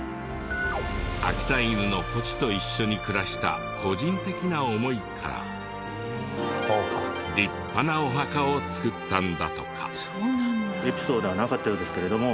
秋田犬のポチと一緒に暮らした個人的な思いから立派なお墓を作ったんだとか。